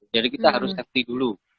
jadi kita harus safety dulu